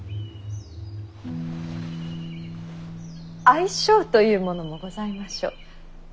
相性というものもございましょう。